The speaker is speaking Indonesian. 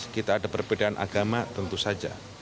kita ada perbedaan agama tentu saja